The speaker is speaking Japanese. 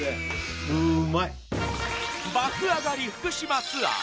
爆上がり福島ツアー